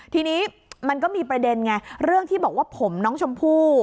ทีนี้มันก็มีประเด็นไงเรื่องที่บอกว่าผมน้องชมพู่